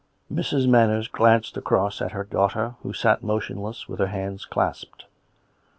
" Mrs. Manners glanced across at her daughter, who sat motionless, with her hands clasped.